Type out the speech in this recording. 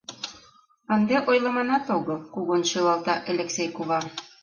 — Ынде ойлыманат огыл, — кугун шӱлалта Элексей кува.